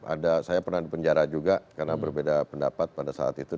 ada saya pernah di penjara juga karena berbeda pendapat pada saat itu